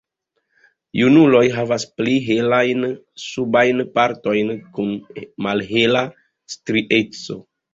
Junuloj havas pli helajn subajn partojn kun malhela strieco.